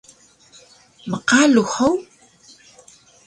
Mqalux hug?